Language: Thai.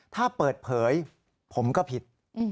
ถ้าเปิดเผยผมก็ผิด